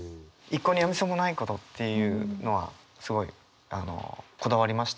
「一向にやみそうもない」ことっていうのはすごいあのこだわりましたね。